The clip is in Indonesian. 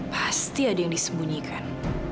pasti ada yang disembunyikan